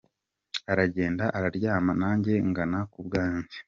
Aragenda araryama nanjye ngana ku bwanjye.